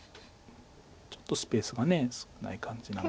ちょっとスペースが少ない感じなので。